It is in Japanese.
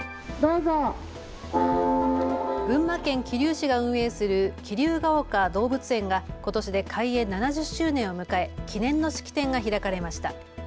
群馬県桐生市が運営する桐生が岡動物園がことしで開園７０周年を迎え記念の式典が開かれました。